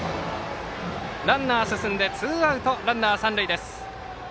ランナーが進んでツーアウトランナー、三塁。